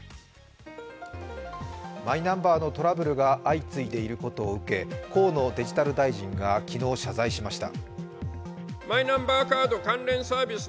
マイナンバーのトラブルが相次いでいることを受け河野デジタル大臣が昨日謝罪しました。